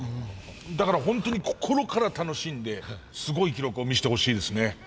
だからホントに心から楽しんですごい記録を見せてほしいですね。